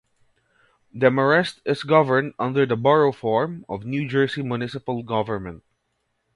Demarest is governed under the Borough form of New Jersey municipal government.